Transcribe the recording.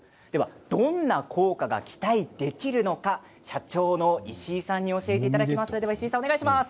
どんな効果が期待できるのか社長の石井さんに教えていただきます。